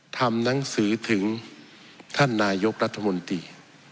ทำหนังสือถึงท่านนายกรัฐมนตรี